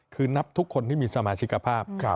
คือนับทุกคนที่มีสมาชิกภาพ